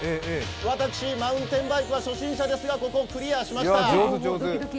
私、マウンテンバイクは初心者ですが、ここクリアしました。